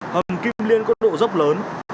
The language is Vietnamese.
hầm kim liên có độ dốc lớn